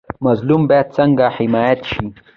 مظلوم باید څنګه حمایت شي؟